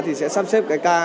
thì sẽ sắp xếp cái ca